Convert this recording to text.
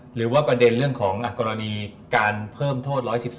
หรือว่าประเด็นเรื่องของกรณีการเพิ่มโทษ๑๑๒